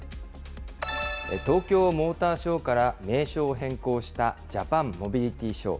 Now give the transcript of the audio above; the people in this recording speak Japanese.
東京モーターショーから名称を変更したジャパンモビリティショー。